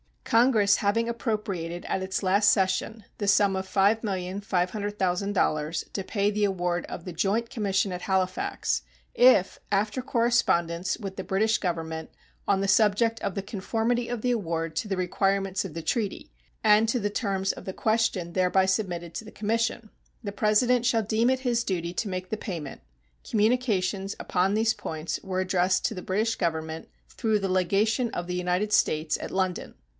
Congress having appropriated at its last session the sum of $5,500,000 to pay the award of the joint commission at Halifax, if, after correspondence with the British Government on the subject of the conformity of the award to the requirements of the treaty and to the terms of the question thereby submitted to the commission, the President shall deem it his duty to make the payment, communications upon these points were addressed to the British Government through the legation of the United States at London.